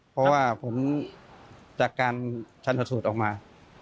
เพราะว่าผมจากการชันสูตรออกมา